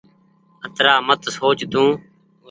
اترآ مت سوچ تو۔